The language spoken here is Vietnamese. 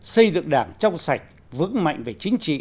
xây dựng đảng trong sạch vững mạnh về chính trị